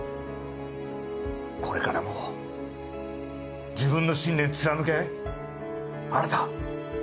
これからも自分の信念貫け新！